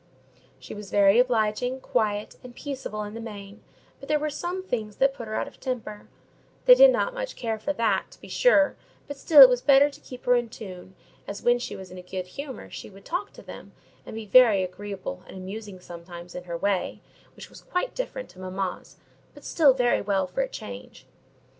She was very obliging, quiet, and peaceable in the main, but there were some things that put her out of temper: they did not much care for that, to be sure, but still it was better to keep her in tune; as when she was in a good humour she would talk to them, and be very agreeable and amusing sometimes, in her way; which was quite different to mamma's, but still very well for a change.